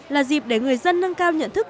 là dịp để người dân nâng cao nhận thức